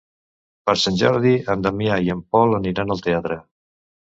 Per Sant Jordi en Damià i en Pol aniran al teatre.